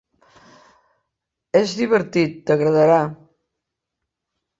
És divertit, t'agradarà.